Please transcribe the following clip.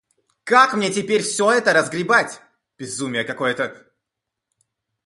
Как мне теперь все это разгребать? Безумие какое-то.